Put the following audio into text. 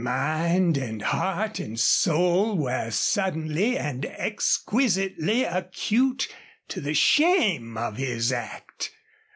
Mind and heart and soul were suddenly and exquisitely acute to the shame of his act.